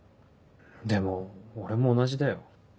でも俺も同じだよ。